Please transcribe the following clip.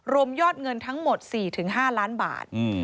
รวมยอดเงินทั้งหมด๔๕ล้านบาท